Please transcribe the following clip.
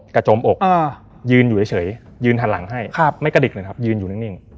กระจมอกยืนอยู่เฉยยืนหันหลังให้ไม่กระดิกเลยครับยืนอยู่นิ่ง